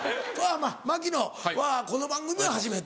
槙野はこの番組は初めて。